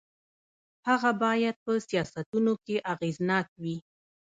هغه باید په سیاستونو کې اغېزناک وي.